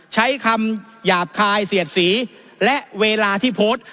ใช้คำหยาบคายเสียดสีและเวลาที่โพสต์